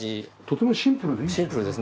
とてもシンプルで。